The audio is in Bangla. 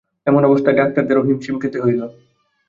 এমন অবস্থায় ডাক্তারদেরও হিমশিম খেতে হয়।